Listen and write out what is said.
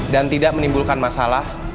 dan tidak menimbulkan masalah